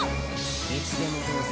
いつでもどうぞ。